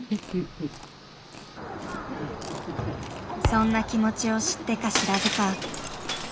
そんな気持ちを知ってか知らずか。